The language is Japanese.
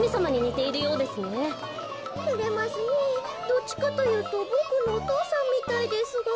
どっちかというとボクのお父さんみたいですが。